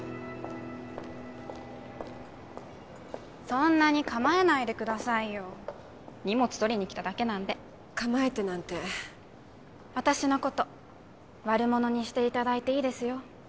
そんなに構えないでくださいよ荷物取りに来ただけなんで構えてなんて私のこと悪者にしていただいていいですよ